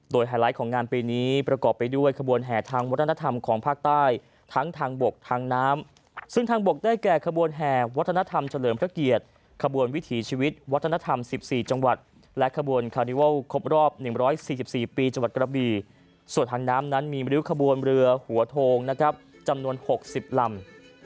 โดยไฮไลท์ของงานปีนี้ประกอบไปด้วยขบวนแห่ทางวัฒนธรรมของภาคใต้ทั้งทางบกทางน้ำซึ่งทางบกได้แก่ขบวนแห่วัฒนธรรมเฉลิมพระเกียรติขบวนวิถีชีวิตวัฒนธรรม๑๔จังหวัดและขบวนคาริวัลครบรอบ๑๔๔ปีจังหวัดกระบีส่วนทางน้ำนั้นมีริ้วขบวนเรือหัวโทงนะครับจำนวน๖๐ลำ